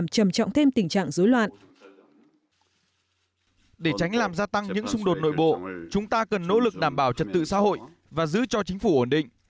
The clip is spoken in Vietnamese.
để tránh làm gia tăng những xung đột nội bộ chúng ta cần nỗ lực đảm bảo trật tự xã hội và giữ cho chính phủ ổn định